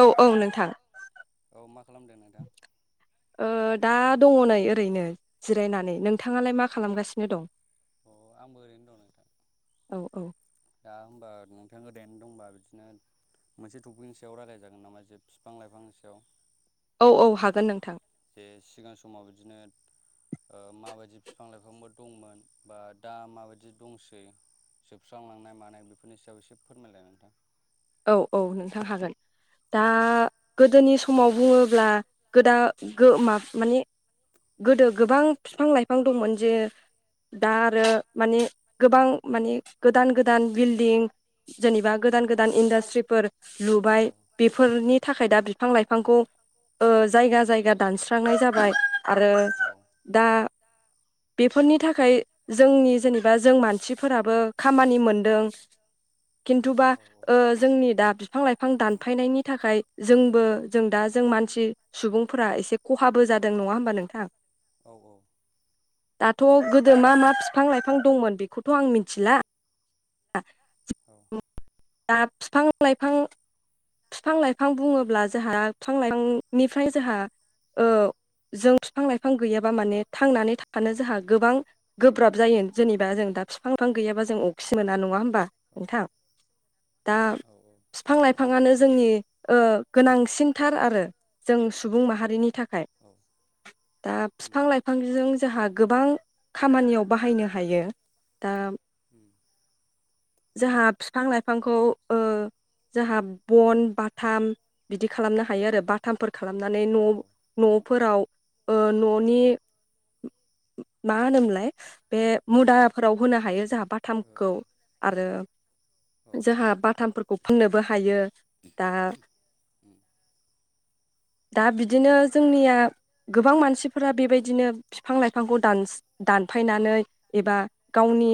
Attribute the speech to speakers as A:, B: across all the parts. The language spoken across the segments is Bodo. A: औ औ नोंथां
B: औ मा खालामदों नोंथां?
A: दा दङ नै ओरैनो जिरायनानै नोंथाङालाय मा खालामगासिनो दं?
B: अ आंबो ओरैनो दं नोंथां।
A: औ औ
B: दा होमबा नोंथां ओरैनो दंबा बिदिनो मोनसे टफिकनि सायाव रायज्लाय जागोन नामा जे बिफां लाइफांनि सायाव
A: औ औ हागोन नोंथां
B: जे सिगां समाव बिदिनो माबायदि बिफां लाइफांबो दंमोन बा दा माबायदि दंसै सुस्रांलांनाय मानाय बेफोरनि सायाव एसे फोरमायलाय नोंथां
A: औ औ नोंथां हागोन दा गोदोनि समाव बुङोब्ला गोदा गो मो माने गोदो गोबां बिफां लाइफां दंमोन जे दा आरो माने गोबां माने गोदान गोदान बिल्डिं जेनेबा गोदान गोदान इन्डास्ट्रिफोर लुबाय
B: औ उम
A: बेफोरनि थाखाय दा बिफां लाइफांखौ ओ जायगा जायगा दानस्रांनाय जाबाय आरो
B: औ
A: दा बेफोरनि थाखाय जोंनि जेन बा जों मानसिफोराबो खामानि मोनदों खिन्थुबा ओ जोंनि दा बिफां लाइफां दानफायनायनि थाखाय जोंबो जों दा जों मानसि सुबुंफोरा एसे खहाबो जादों नङा होमबा नोंथाङ?
B: औ औ
A: दाथ' गोदो मा मा बिफां लाइफां दंमोन बेखौथ' आं मिथिला
B: औ
A: दा बिफां लाइफां बिफां लाइफां बुङोब्ला जोंहा बिफां लाइफांनिफ्राय जोंहा ओ जों बिफां लाइफां गैयाबा माने थांनानै थानो जोंहा गोबां गोब्राब जायो जेनेबा जों दा बिफां लाफां गैयाबा जों अखसि मोना नङा होमबा
B: औ
A: नोंथां दा
B: औ औ
A: बिफां
B: नोंथां
A: लाइफाङानो जोंनि गोनांसिनथार आरो जों सुबुं माहारिनि थाखाय
B: औ
A: दा
B: उम
A: बिफां लाइफां बिफांजों जोंहा गोबां खामानियाव बाहायनो हायो दा
B: [inaudible]
A: जोंहा बिफां लाइफां बिफांखौ जोंहा बन बाथाम बिदि खालामनो हायो आरो बाथ थामफोर खालामनानै न'
B: औ
A: न'फोराव ओ न'नि मा होनोमोनलाय बे मुदाफोराव होनो हायो जोहा
B: ओ
A: बाथामखौ आरो
B: ओ औ
A: जोहा बाथामफोरखौ फोंनोबो हायो दा
B: [inaudible]
A: दा बिदिनो जोंनिया गोबां मानसिफोरा बेबायदिनो फिफां लाइफांखौ दान्स दानफायनानै एबा गावनि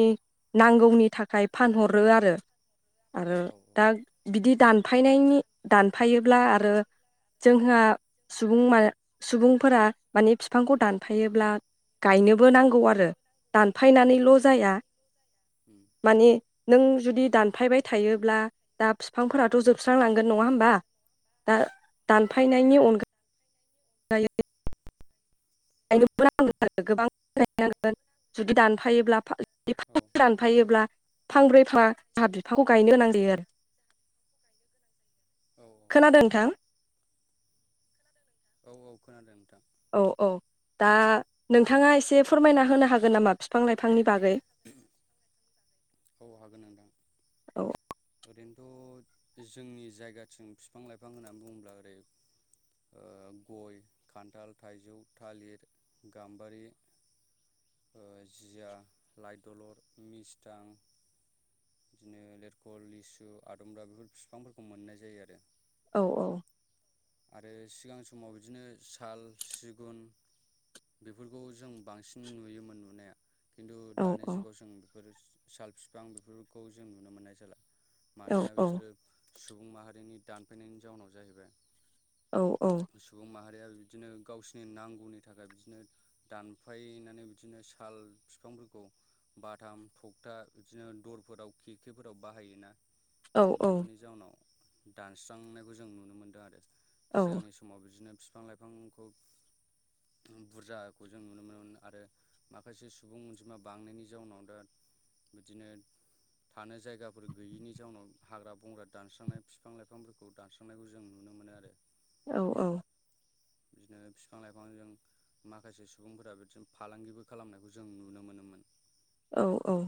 A: नांगौनि थाखाय फानहरो आरो। आरो
B: औ
A: दा बिदि दानफायनायनि दानफायोब्ला आरो जोंहा सुबुं मा सुबुंफोरा माने फिफांखौ दानफायोब्ला गायनोबो नांगौ आरो।
B: औ उम औ
A: दानफायनानैल' जाया माने नों जुदि दानफायबाय थायोब्ला दा फिफांफोराथ' जोबस्रांलांगोन नङा होमबा दा दानफायनायनि अनगायै [unintelligible] आरो गोबां नांगोन जुदि दानफायोब्ला [unintelligible] फायोब्ला फांब्रै फा जोहा बिफां गायनो होनां जायो आरो
B: औ
A: खोनादों नोंथां
B: औ औ खोनादों नोंथां।
A: औ औ दा नोंथाङा एसे फोरमायना होनो हागोन नामा फिफां लाइफांनि बागै।
B: [unintelligible] औ हागोन नोंथां।
A: औ
B: ओरैनोथ' जोंनि जायगाथिं फिफां- लाइफां होननानै बुंब्ला ओरै ओ गय खान्थाल थाइजौ थालिर गाम्बारि ओ जिया लाइदलर मिसथां बिदिनो लेरख', लिसु, आदुमब्रा, बेफोर फिफांफोरखौ मोननाय जायो आरो।
A: औ औ
B: आरो सिगां समाव बिदिनो साल सिगुन बेफोरखौ जों बांसिन नुयोमोन नुनाया। खिन्थु
A: औ
B: दानि
A: औ
B: जुगाव जों बेफोर साल फिफां बेफोरखौ जों नुनो मोननाय जाला।
A: औ
B: मानोना
A: औ
B: बेफोरो सुबुं माहारिनि दानफानायनि जाउनाव जाहैबाय।
A: औ औ
B: सुबुं माहारिया बिदिनो गावसिनि नांगौनि थाखाय बिदिनो दानफायनानै बिदिनो साल फिफांफोरखौ बाथाम थखथा बिदिनो दर फोराव खिखिफोराव बाहायोना
A: औ
B: बेफोरनि जाउनाव दानस्रांनायखौ जों नुनो मोन्दों आरो
A: औ
B: सिगांनि समाव बिदिनो फिफां लाइफांखौ बुरजाखौ जों नुनो मोनोमोन आरो माखासे सुबुं अनजिमा बांनायनि जाउनाव दा बिदिनो थानो जायगाफोर गैयिनि जाउनाव हाग्रा बंग्रा दानस्रांनाय फिफां- लाइफांफोरखौ दानस्रां नायखौ जों नुनो मोनो आरो।
A: औ औ
B: बिदिनो फिफां लाइफांजों माखासे सुबुंफोरा बिदिनो फालांगिबो खालामनायखौ जों नुनो मोनोमोन।
A: औ औ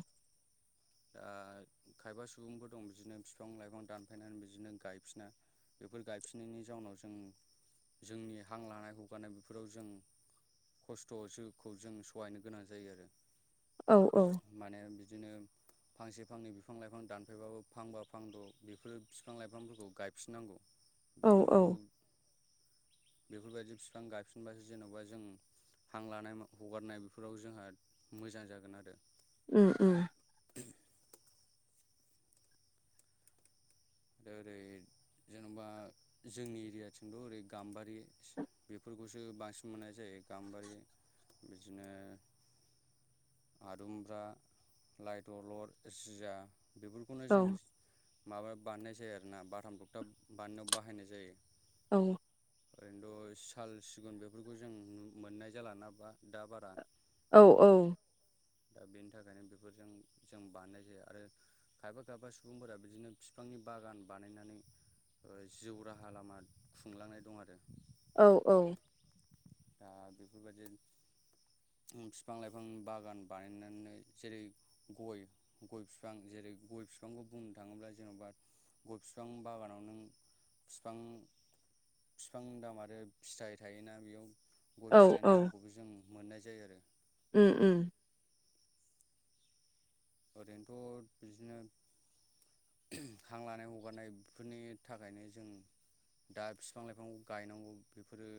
B: ओ खायबा सुबुंफोर दं बिदिनो फिफां -लाइफां दानफायनानै बिदिनो गायफिना। बेफोर गायफिनिनि जाउनाव जों जोंनि हां लानाय हगारानाय बेफोराव जों खस्थ' जिउखौ जों सहायनो गोनां जायो आरो।
A: औ औ
B: माने बिदिनो फांसे फांनै बिफां -लाइफां दानफैबाबो फांबा फांद' बेफोरो फिफां -लाइफांफोरखौ गायफिननांगौ।
A: औ
B: बेफोरखौ
A: औ
B: बेफोरबायदि फिफां गायफिनबासो जेन'बा जों हां लानाय हगारनाय बेफोराव जोंहा मोजां जागोन आरो
A: उम उम
B: [inaudible] दा ओरै जेन'बा जोंनि एरियाथिंथ' ओरै गाम्बारि बेफोरखौसो बांसिन मोननाय जायो गाम्बारि बिदिनो आदुमब्रा लाइ दलर जिया बेफोर खौनो
A: औ
B: जों माबा बानायनाय जायो आरोना बाथाम थखथा बानायनायाव बाहायनाय जायो।
A: औ
B: ओरैनोथ' साल सिगुन बेफोरखौ जों मोननाय जालाना बा दा बारा
A: औ औ।
B: दा बेनि थाखायनो बेफोरजों जों बानायनाय जाया आरो खायफा खायफा सुबुंफोरा बिदिनो फिफांनि बागान बानायनानै ओ जिउ राहा लामा खुंलांनाय दं आरो
A: औ औ।
B: दा बेफोर बायदि उम फिफां लाइफां बागान बानायनानै जेरै गय गय फिफां जेरै गय फिफांखौ बुंनो थाङोब्ला जेन'बा गय फिफां बागानाव नों फिफां फिफां दाम आरो फिथाइ थायो ना बेयाव गय
A: औ
B: फिथाइनि दामखौबो जों मोननाय जायो आरो
A: ओम ओम।
B: ओरैनोथ' बिदिनो हां लानाय हगारनाय बेफोरनि थाखायनो जों दा फिफां लाइफांखौ गायनांगौ बेफोरो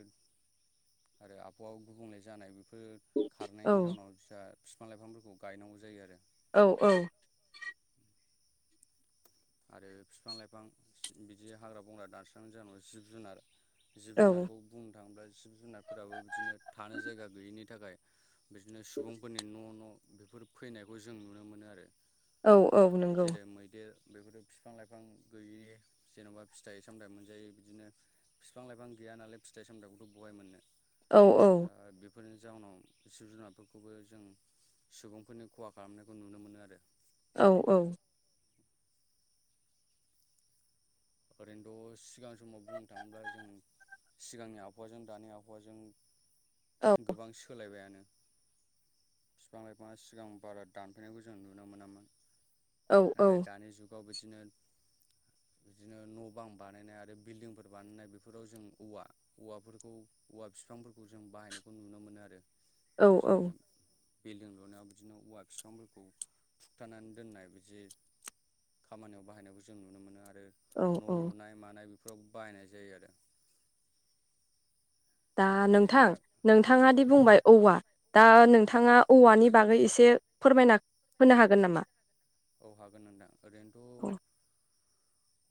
B: आरो आबहावा गुबुंले जानाय बेफोरो
A: औ
B: खारनायनि जाउनाव [unintelligible] फिफां लाइफांफोरखौ गायनांगौ जायो आरो
A: औ औ।
B: आरो फिफां लाइफां बिदि हाग्रा बंग्रा दानस्रांनाय जाउनाव जिब जुनार जिब
A: औ
B: जुनारखौ बुंनो थाङोब्ला जिब जुनारफोराबो बिदिनो थानो जायगा गैयिनि थाखाय बिदिनो सुबुंफोरनि न' न' बेफोर फैनायखौ जों नुनो मोनो आरो
A: औ औ नंगौ
B: जेरै मैदेर बेफोरो फिफां लाइफां गैयि जेन'बा फिथाइ सामथाइ मोनजायै बिदिनो फिफां लाइफां गैया नालाय फिथाइ सामथाइखौथ' बहाय मोननो।
A: औ
B: दा बे बेफोरनि जाउनाव जिब जुनारफोरखौबो जों सुबुंफोरनि खहा खालामनायखौ नुनो मोनो आरो
A: औ औ।
B: ओरैनोथ' सिगां समाव बुंनो थाङोब्ला जों सिगांनि आबहावाजों दानि आबहावाजों गोबां सोलायबायानो। फिफां लाइफाङा सिगां बारा दानफायनायखौ जों नुनो मोनामोन।
A: औ औ
B: आरो दानि जुगाव बिदिनो बिदिनो न' बां बानायनाय आरो बिल्डिंफोर बानायनाय बेफोराव जों औवा औवाफोरखौ औवा फिफांफोरखौ जों बाहायनायखौ नुनो मोनो आरो
A: औ
B: बिदिनो बिल्डिं लुनायाव बिदिनो औवा फिफांफोरखौ थुगथानानै दोननाय बिदि खामानियाव बाहायनायखौ जों नुनो मोनो आरो
A: औ
B: न'
A: औ
B: लुनाय मानाय बेफोराव बाहायनाय जायो आरो
A: दा
B: आरो ओरै
A: नोंथां
B: ना
A: नोंथाङा
B: औ
A: दि
B: औ
A: बुंबाय औवा। दा
B: उम
A: नोंथाङा औवानि बागै एसे फोरमायना होनो हागोन नामा?
B: औ हागोन नोंथां
A: औ
B: ओरैनोथ'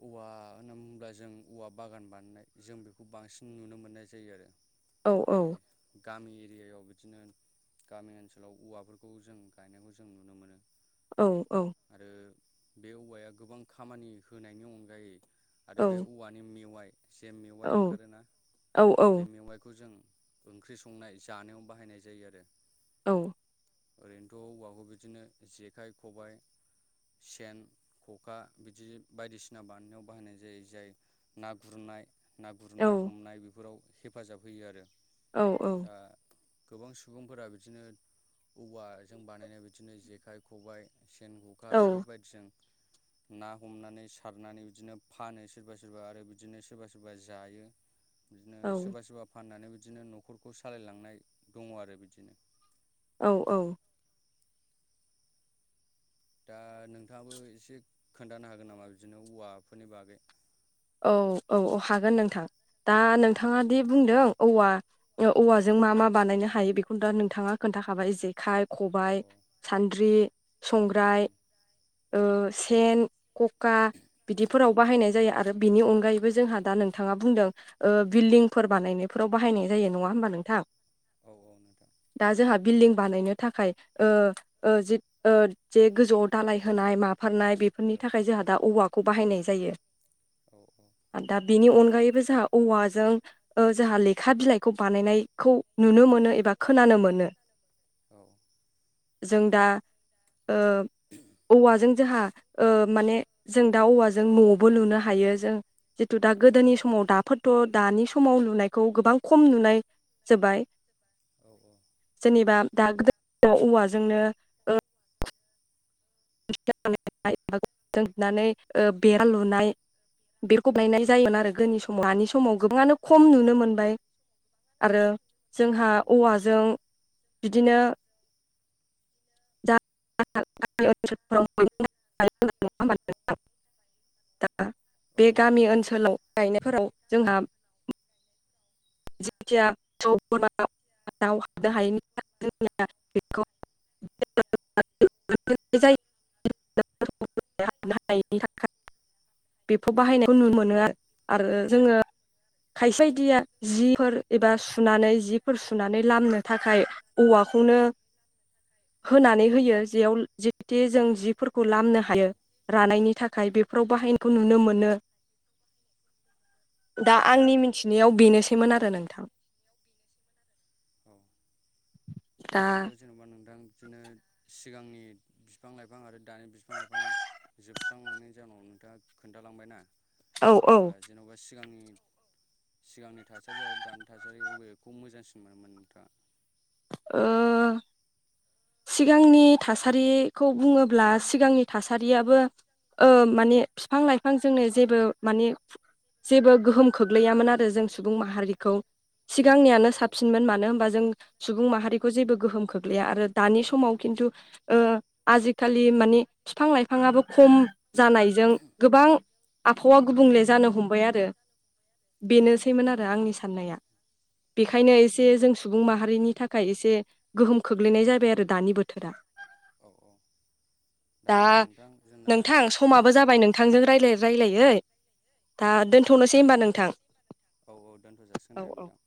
B: औवा होनना बुंब्ला जों औवा बागान बानायनाय जों बेखौ बांसिन नुनो मोननाय जायो आरो
A: औ औ
B: माने गामि एरियायाव बिदिनो गामि ओनसोलाव औवाफोरखौ जों गायनायखौ जों नुनो मोनो।
A: औ औ।
B: आरो बे औवाया गोबां खामानि होनायनि अनगायै आरो
A: औ
B: बे औवा नि मेवाइ जे मेवाइ ओंखारो ना
A: औ औ
B: बे मेवाइखौ जों ओंख्रि संनाय जानायाव बाहायनाय जायो आरो
A: औ।
B: ओरैनोथ' औवाखौ बिदिनो जेखाइ खबाइ सेन ख'खा बिदि बायदिसिना बानायनायाव बाहायनाय जायो। जाय ना गुरनाय ना गुरनाय हमनाय बेफोराव हेफाजाब होयो आरो
A: औ औ।
B: दा गोबां सुबुंफोरा बिदिनो औवाजों बानायनाय बिदिनो जेखाइ, खबाइ, सेन, खखा बेफोरबायदिजों ना हमनानै सारनानै बिदिनो फानो सोरबा सोरबा आरो बिदिनो सोरबा सोरबा जायो बिदिनो
A: औ
B: सोरबा सोरबा फाननानै बिदिनो न'खरखौ सालायलांनाय दङ आरो बिदिनो
A: औ औ
B: दा नोंथाङाबो एसे खोन्थानो हागोन नामा बिदिनो औवाफोरनि बागै
A: औ औ औ हागोन नोंथां दा
B: दे खोन्था
A: नोंथाङा दि
B: नोंथां
A: बुंदों औवा ओ औवाजों मा मा बानायनो हायो बेखौ दा नोंथाङा खोन्थाखाबाय जेखाय
B: औ
A: खबाइ,
B: औ
A: सान्द्रि, संग्राय
B: उम
A: ओ सेन कका बिदिफोराव बाहायनाय जायो आरो बिनि अनगायैबो जोंहा दा नोंथाङा बुंदों ओ बिल्डिंफोर बानायनायफोराव बाहायनाय जायो नङा होमबा नोंथां
B: औ औ नोंथां
A: दा जोंहा बिल्डिं बानायनो थाखाय ओ ओ जिद ओ जे गोजौआव दालाय होनाय माफारनाय बे
B: ओ
A: फोरनि थाखाय जोंहा दा औवाखौ बाहायनाय जायो
B: औ औ
A: आदा बेनि अनगायैबो जाहा औवाजों ओ जोंहा लेखा बिलाइखौ बानायनायखौ नुनो मोनो एबा खोनानो मोनो
B: औ
A: जों दा ओ औवाजों जोंहा ओ माने जों दा औवाजों न'बो लुनो हायो जों जितु दा
B: औ
A: गोदोनि समाव दाफोद थ' दानि समाव लुनायखौ गोबां खम नुनाय जाबाय
B: औ औ
A: जेनेबा दा गोदो औवाजोंनो ओ [unintelligible] ओ बेरा लुनाय बेखौ बानायनाय जायोमोन आरो गोदोनि समाव दानि समाव गोबाङानो खम नुनो मोनबाय आरो जोंहा औवाजों बिदिनो [unintelligible] [unintelligible] दाखा बे गामि
B: नोंथां
A: ओनसोलाव गायनायफोराव जोंहा [unintelligible] [unintelligible] [unintelligible] नुनो
B: औ औ
A: मोनोआरो आरो जोङो
B: औ
A: खायसेदिया जिफोर एबा सुनानै जिफोर सुनानै लामनो थाखाय औवाखौनो होनानै होयो जेयाव जेते जों जिफोरखौ लामनो हायो रानायनि थाखाय बेफोराव बाहायनायखौ
B: उम
A: नुनो मोनो दा आंनि मिथिनायाव बेनोसैमोन आरो नोंथां
B: औ
A: दा
B: ओरैनोथ' जेन'बा नोंथां बिदिनो सिगांनि बिफां लाइफां आरो दानि बिफां लाइफां जोबस्रांलांनायनि जाहोनाव नोंथाङा खोन्थालांबायना
A: औ
B: दा
A: औ
B: जेन'बा सिगांनि सिगांनि थासारि आरो दानि थासारि अबेखौ मोजांसिन मोनोमोन नोंथाङा
A: ओ सिगांनि थासारिखौ बुङोब्ला सिगांनि थासारियाबो माने बिफां लाइफां जोंनो जेबो माने जेबो गोहोम खोख्लैयामोन आरो जों सुबुं माहारिखौ सिगांनियानो
B: औ
A: साबसिनमोन मानो होनबा जों सुबुं माहारिखौ जेबो गोहोम खोख्लैया आरो दानि समाव खिन्थु आजिखालि मानि बिफां लाइफाङाबो खम जानायजों गोबां आबहावा गुबुंले जानो हमबाय आरो
B: औ
A: बेनोसैमोन आरो आंनि साननाया बेखायनो एसे जों सुबुं माहारिनि थाखाय एसे गोहोम खोख्लैनाय जाबाय आरो दानि बोथोरा
B: औ औ
A: दा
B: होमबा नोंथां जोंना
A: नोंथां समाबो जाबाय नोंथांजों रायलायै
B: औ औ
A: रायलायै। दा दोन्थ'नोसै होमबा नोंथां।
B: औ औ दोन्थ' जासिगोन
A: औ
B: दे नोंथां।